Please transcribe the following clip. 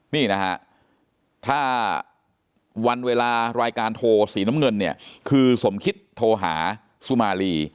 นี่นะฮะถ้าวันเวลารายการโทรสีน้ำเงินเนี่ยคือสมคิดโทรหาสุมารี